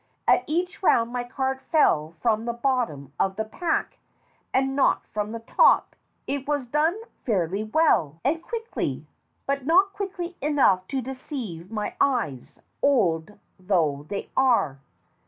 At each round my card fell from the bottom of the pack, and not from the top. It was done fairly well, THE CHEAT 205 and quickly; but not quickly enough to deceive my eyes, old though they are."